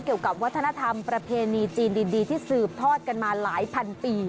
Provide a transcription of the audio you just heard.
เกี่ยวกับวัฒนธรรมประเพณีจีนดีที่สืบทอดกันมาหลายพันปี